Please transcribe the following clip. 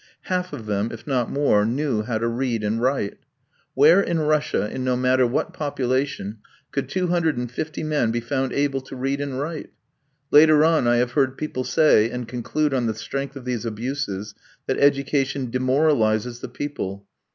Half of them, if not more, knew how to read and write. Where in Russia, in no matter what population, could two hundred and fifty men be found able to read and write? Later on I have heard people say, and conclude on the strength of these abuses, that education demoralises the people.